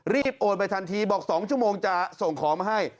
โอนไปทันทีบอก๒ชั่วโมงจะส่งของมาให้